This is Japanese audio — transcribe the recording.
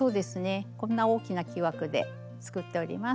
こんな大きな木枠で作っております。